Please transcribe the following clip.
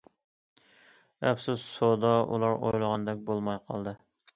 ئەپسۇس سودا ئۇلار ئويلىغاندەك بولماي قالدى.